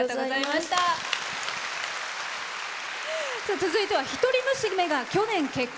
続いては一人娘が去年、結婚。